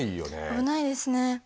危ないですね。